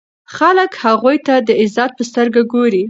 خلک هغوی ته د عزت په سترګه ګوري.